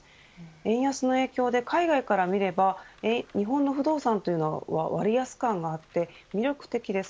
円安の影響で海外から見れば日本の不動産というのは割安感があって魅力的です。